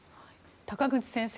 高口先生